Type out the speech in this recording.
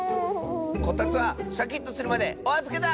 こたつはシャキッとするまでおあずけだ！